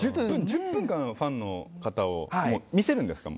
１０分間ファンの方見せるんですか？